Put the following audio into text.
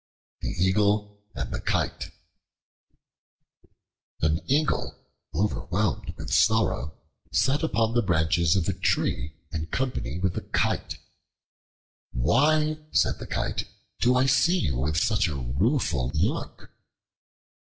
The Eagle and the Kite AN EAGLE, overwhelmed with sorrow, sat upon the branches of a tree in company with a Kite. "Why," said the Kite, "do I see you with such a rueful look?"